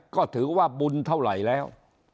ก็ถือว่าบุญเท่าไหร่แล้ว